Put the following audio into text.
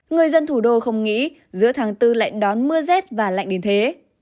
người dân thủ đô không nghĩ giữa tháng bốn lại đón mưa rét và lạnh đến thế